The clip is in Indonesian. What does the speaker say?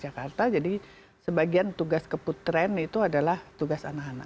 jakarta jadi sebagian tugas keputren itu adalah tugas anak anak